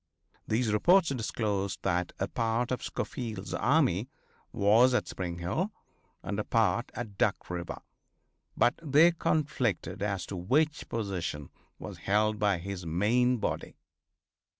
These reports disclosed that a part of Schofield's army was at Spring Hill and a part at Duck river, but they conflicted as to which position was held by his main body.